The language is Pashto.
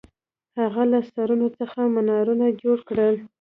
هغه له سرونو څخه منارونه جوړ کړل.